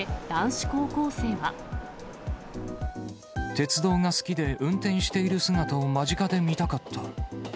鉄道が好きで、運転している姿を間近で見たかった。